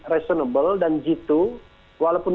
reasonable dan gitu walaupun